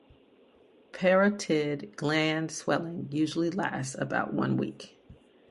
Parotid gland swelling usually lasts about one week.